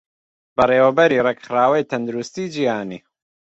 بەڕێوەبەری ڕێکخراوەی تەندروستیی جیهانی